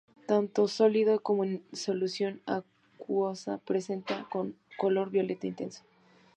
Tanto sólido como en solución acuosa presenta un color violeta intenso.